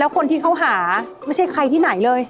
คนที่เขาหาไม่ใช่ใครที่ไหนเลย